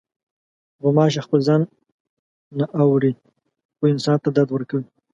غوماشه خپل ځان نه اوري، خو انسان ته درد ورکوي.